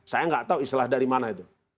saya nggak tahu istilah dari mana itu